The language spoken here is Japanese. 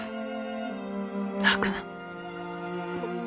泣くな。